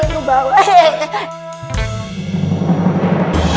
eh lu bawa eh